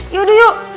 ya udah yuk